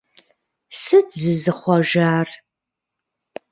Сыт зызыхъуэжар?